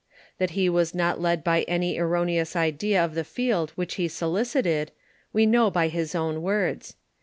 That he was not led by any erroneous idea of the field which he solici ted, we know by his own words.